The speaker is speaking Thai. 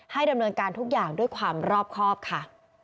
ดำเนินการทุกอย่างด้วยความรอบครอบค่ะ